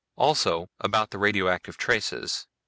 Also about the radioactive traces.